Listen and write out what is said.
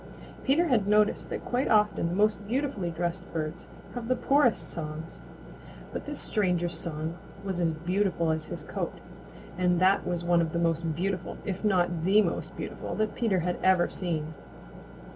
Peter had noticed that quite often the most beautifully dressed birds have the poorest songs. But this stranger's song was as beautiful as his coat, and that was one of the most beautiful, if not the most beautiful, that Peter ever had seen.